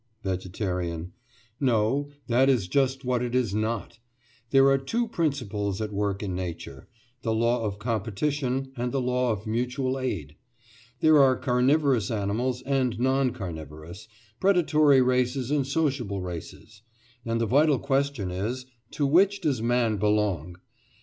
VEGETARIAN: No; that is just what it is not. There are two principles at work in Nature—the law of competition and the law of mutual aid. There are carnivorous animals and non carnivorous, predatory races and sociable races; and the vital question is—to which does man belong?